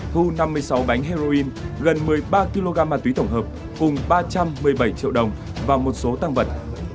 thu năm mươi sáu bánh heroin gần một mươi ba kg ma túy tổng hợp cùng ba trăm một mươi bảy triệu đồng và một số tăng vật